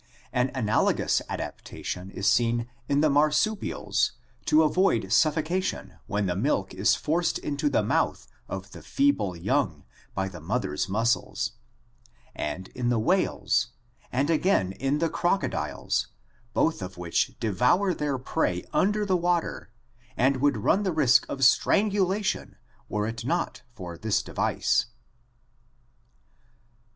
An analogous adaptation is seen in the marsupials to avoid suffocation when the milk is forced into the mouth of the feeble young by the mother's muscles, and in the whales and again in the crocodiles, both of ADAPTIVE RADIATION 293 which devour their prey under the water and would run the risk of strangulation were it not for this device.